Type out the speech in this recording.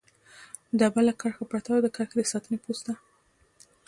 ډبله کرښه پرته وه، د کرښې د ساتنې پوسته.